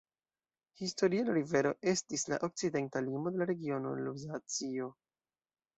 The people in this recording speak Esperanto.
Historie la rivero estis la okcidenta limo de la regiono Luzacio.